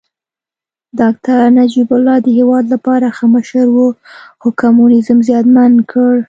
داکتر نجيب الله د هېواد لپاره ښه مشر و خو کمونيزم زیانمن کړ